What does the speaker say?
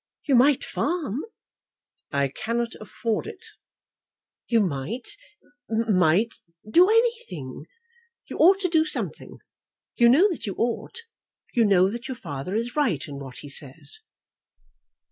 "You might farm." "I cannot afford it." "You might, might do anything. You ought to do something. You know that you ought. You know that your father is right in what he says."